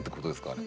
あれ。